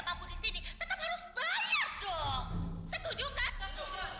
mampu di sini tetap harus bayar dong setuju kan